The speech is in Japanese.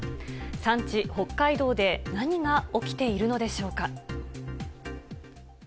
産地、北海道で何が起きているのでしょうか。